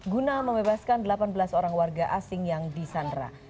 guna membebaskan delapan belas orang warga asing yang disandra